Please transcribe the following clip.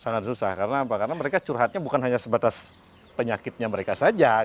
sangat susah karena apa karena mereka curhatnya bukan hanya sebatas penyakitnya mereka saja